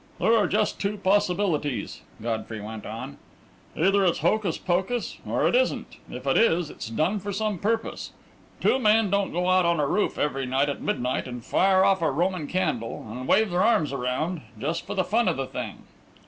"There are just two possibilities," Godfrey went on. "Either it's hocus pocus, or it isn't. If it is, it is done for some purpose. Two men don't go out on a roof every night at midnight and fire off a Roman candle and wave their arms around, just for the fun of the thing."